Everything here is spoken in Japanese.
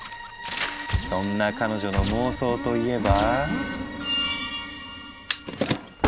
そんな彼女の妄想といえば。